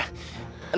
apa sih man